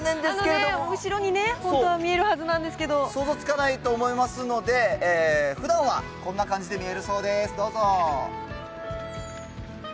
後ろにね、本当は見えるはず想像つかないと思いますので、ふだんはこんな感じで見えるそうです、どうぞ。